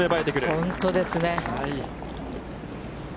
本当ですね。